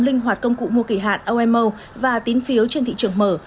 linh hoạt công cụ mua kỷ hạn omo và tín phiếu trên thị trường mở